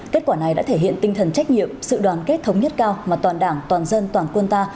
kết quả này đã thể hiện tinh thần trách nhiệm sự đoàn kết thống nhất cao mà toàn đảng toàn dân toàn quân ta